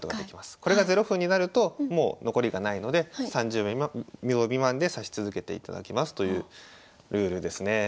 これが０分になるともう残りがないので３０秒未満で指し続けていただきますというルールですね。